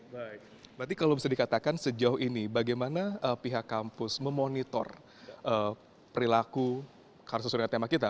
baik berarti kalau bisa dikatakan sejauh ini bagaimana pihak kampus memonitor perilaku karena sesuai dengan tema kita